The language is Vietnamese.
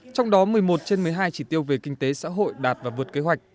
trong đó một mươi một trên một mươi hai chỉ tiêu về kinh tế xã hội đạt và vượt kế hoạch